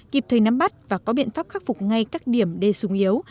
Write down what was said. kịp thời nắm bắt và có biện pháp khắc phục ngay các điểm đề xung yếu